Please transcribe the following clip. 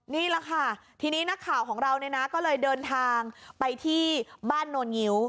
นี่แหละค่ะทีนี้นักข่าวของเราเนี่ยนะก็เลยเดินทางไปที่บ้านโนลงิ้ว